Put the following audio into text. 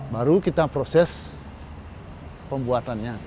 baru kita proses pembuatannya